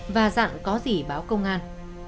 và dặn có gì báo công an